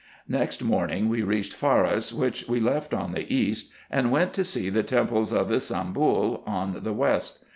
Next morning we reached Faras, which we left on the east, and went to see the temples of Ybsambul on the west.